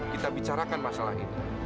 kita bicarakan masalah ini